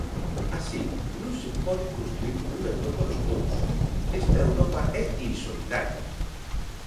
Así non se pode construír unha Europa dos pobos, esta Europa é insolidaria.